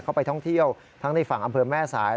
ไปท่องเที่ยวทั้งในฝั่งอำเภอแม่สาย